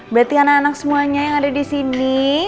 berarti anak anak semuanya yang ada di sini